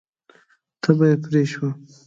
تبه یې پرې شوه.